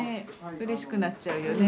うれしくなっちゃうよね。